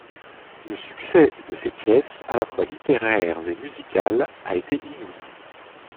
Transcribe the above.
Le succès de ces pièces, à la fois littéraires et musicales, a été inouï.